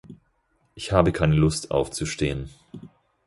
Ich habe keine Lust aufzustehen.